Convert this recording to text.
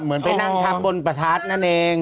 เหมือนไปนั่งทับบนประทัดนั่นเอง